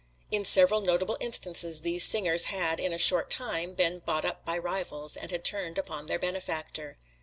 In several notable instances these singers had, in a short time, been bought up by rivals, and had turned upon their benefactor.